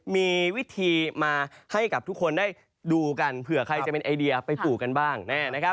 มีวิธีมาให้กับทุกคนได้ดูกันเผื่อใครจะเป็นไอเดียไปปลูกกันบ้าง